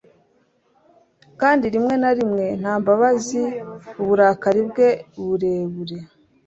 Kandi rimwe na rimwe nta mbabazi uburakari bwe burebure